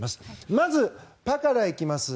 まず、「パ」から行きます。